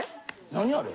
何あれ？